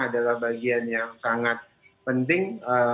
adalah bagian yang sangat penting